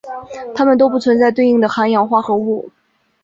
它们都不存在对应的含氧化合物。